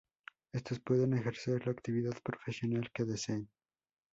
Éstos pueden ejercer la actividad profesional que deseen.